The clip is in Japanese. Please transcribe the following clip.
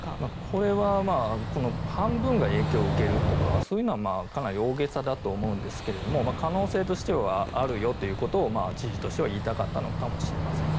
これは半分が影響を受けるとかそういうのはかなり大げさだと思うんですが可能性としてはあるよということを知事としては言いたかったのかもしれません。